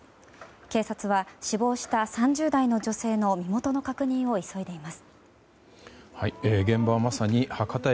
警察は死亡した３０代の女性の身元の確認を急いでいます。